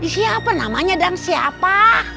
siapa namanya dan siapa